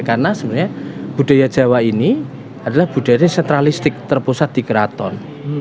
karena sebenarnya budaya jawa ini adalah budaya yang sentralistik terpusat di keraton